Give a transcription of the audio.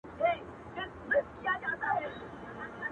زه به په فکر وم، چي څنگه مو سميږي ژوند.